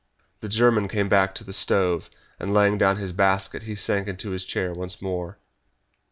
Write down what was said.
The German came back to the stove, and, laying down his basket, he sank into his chair once more.